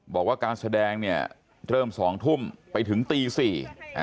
บอกว่าการแสดงเนี่ยเริ่มสองทุ่มไปถึงตีสี่อ่า